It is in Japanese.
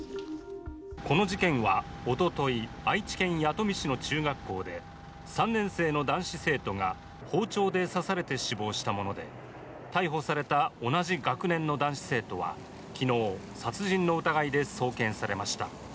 この事件はおととい、愛知県弥富市の中学校で３年生の男子生徒が包丁で刺されて死亡したもので逮捕された同じ学年の男子生徒は昨日殺人の疑いで送検されました。